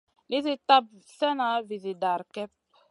Nizi tap slèna vizi dara kep.